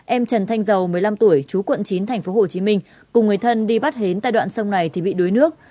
em trần thanh dầu một mươi năm tuổi chú quận chín tp hcm cùng người thân đi bắt hến tại đoạn sông này thì bị đuối nước